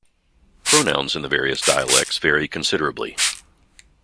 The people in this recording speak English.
Pronouns in the various dialects vary considerably.